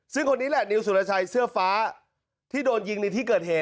ซึ่งคนนี้แหละนิวสุรชัยเสื้อฟ้าที่โดนยิงในที่เกิดเหตุ